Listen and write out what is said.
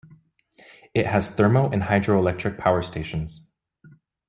It has thermal and hydroelectric power stations.